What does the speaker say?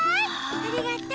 ありがとう。